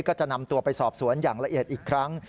ก็จะนำตัวไปสอบสวนอย่างละเอียดอีกครั้ง